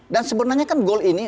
dan sebenarnya kan gol ini